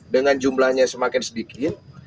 dengan jumlahnya semakin sedikit